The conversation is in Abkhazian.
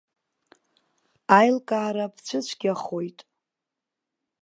Аилкаара бцәыцәгьахоит.